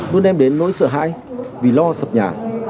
luôn đem đến nỗi sợ hãi vì lo sập nhà